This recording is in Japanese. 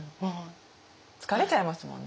疲れちゃいますもんね。